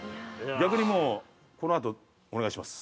逆にもう、このあと、お願いします。